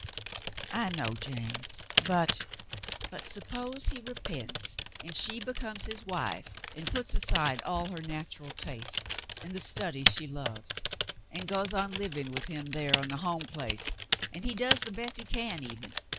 *'I know, James. But — but — suppose he repents and she becomes his wife, and puts aside all her natural tastes, and the studies she loves, and goes on living v/ith him there on the home place, and he does the best he can — even.